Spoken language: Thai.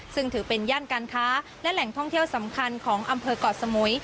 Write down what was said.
ซึ่งถือเป็นย่านการค้าและแหล่งท่องเที่ยวสำคัญของอำเภอกเกาะสมุย